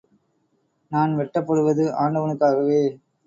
நான் வெட்டப்படுவது ஆண்டவனுக்காகவே.